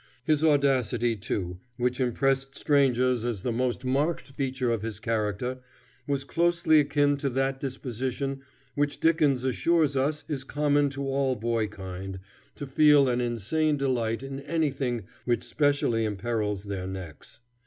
His audacity, too, which impressed strangers as the most marked feature of his character, was closely akin to that disposition which Dickens assures us is common to all boy kind, to feel an insane delight in anything which specially imperils their necks.